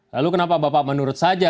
lalu kenapa bapak menurut saja